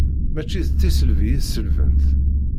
Mačči d tiselbi i selbent.